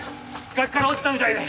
崖から落ちたみたいで。